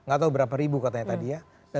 gak tau berapa ribu katanya tadi ya